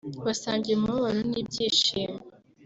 basangira umubabaro n’ibyishimo